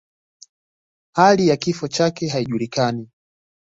Hali ya kifo chake haijulikani.